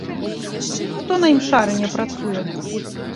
Хто на імшарыне працуе?